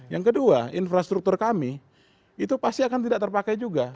yang kedua infrastruktur kami itu pasti akan tidak terpakai juga